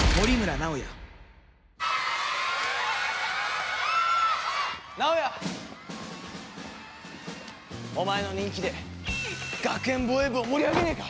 直哉！お前の人気で学園防衛部を盛り上げねえか！？